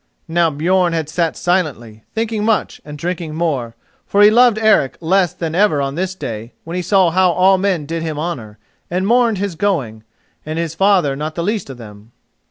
Now Björn had sat silently, thinking much and drinking more, for he loved Eric less than ever on this day when he saw how all men did him honour and mourned his going, and his father not the least of them.